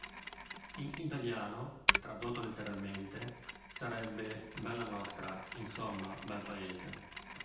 In italiano, tradotto letteralmente, sarebbe "Bella Nostra", insomma, "Bel Paese".